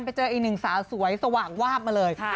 ไปเจออีกหนึ่งสาวสวยสว่างวาบมาเลย